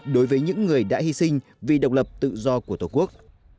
đối với những người đã hy sinh vì độc lập tự do của tổ quốc